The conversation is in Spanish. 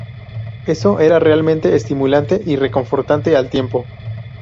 Eso era realmente estimulante y reconfortante al tiempo.